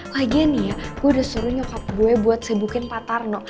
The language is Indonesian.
lagi nih ya gue udah suruh nyokap gue buat sibukin pak tarno